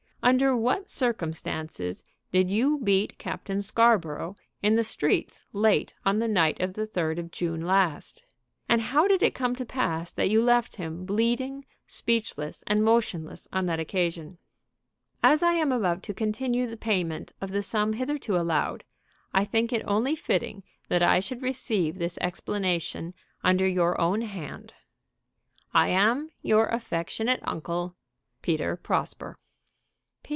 Under what circumstances did you beat Captain Scarborough in the streets late on the night of the 3d of June last? And how did it come to pass that you left him bleeding, speechless, and motionless on that occasion? "As I am about to continue the payment of the sum hitherto allowed, I think it only fitting that I should receive this explanation under your own hand. I am your affectionate uncle, "PETER PROSPER.